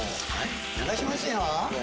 流しますよ。